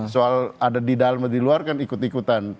soal ada di dalam di luar kan ikut ikutan